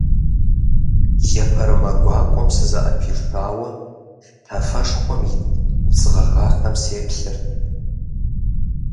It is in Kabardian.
Епэрымэ гуакӏуэм сызыӏэпишауэ тафэшхуэм ит удз гъэгъахэм сеплъырт.